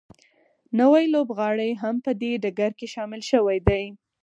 نوي لوبغاړي هم په دې ډګر کې شامل شوي دي